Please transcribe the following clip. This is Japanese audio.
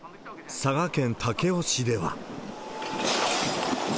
佐賀県武雄市では。